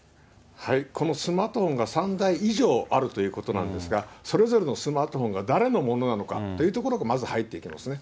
このスマートフォンが３台以上あるということなんですが、それぞれのスマートフォンが誰のものなのかというところもまず入っていきますね。